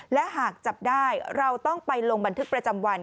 และหากจับได้เราต้องไปลงบันทึกประจำวัน